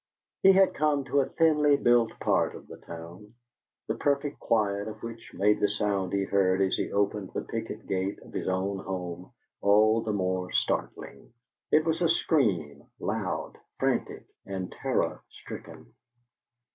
He had come to a thinly built part of the town, the perfect quiet of which made the sound he heard as he opened the picket gate of his own home all the more startling. It was a scream loud, frantic, and terror stricken.